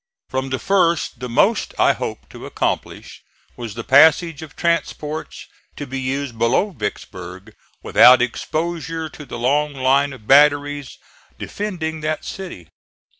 From the first the most I hoped to accomplish was the passage of transports, to be used below Vicksburg, without exposure to the long line of batteries defending that city.